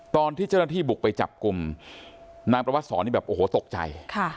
ตอนที่เจ้าหน้าที่บุกไปจับกลุ่มนายประวัติศรนี่แบบโอ้โหตกใจ